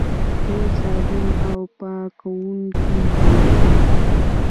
دوی صابون او پاکوونکي جوړوي.